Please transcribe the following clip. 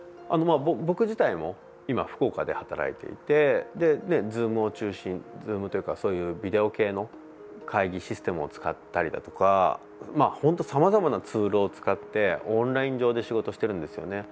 僕自体も今、福岡で働いていてＺｏｏｍを中心Ｚｏｏｍというかそういうビデオ系の会議システムを使ったりだとか本当、さまざまなツールを使ってオンライン上で仕事してるんですよね。